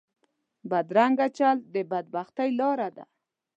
بدرنګه چال د بد بختۍ لاره ده